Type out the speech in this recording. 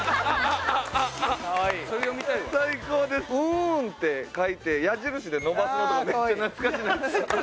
うーんって書いて矢印で伸ばすのとかめっちゃ懐かしないですか？